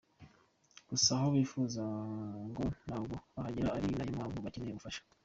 Gusa aho bifuza ngo ntabwo barahagera ari na yo mpamvu bacyeneye ubufasha.